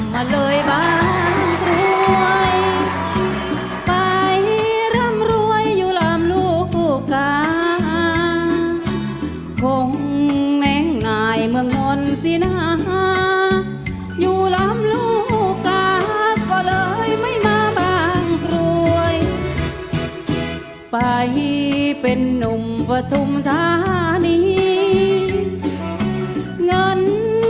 มีทั้งหมด๖แผ่นป้ายเลือกใช้ได้๓แผ่นป้าย